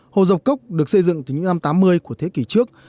hồ giốc cốc được xây dựng từ những năm tám mươi của thế kỷ trước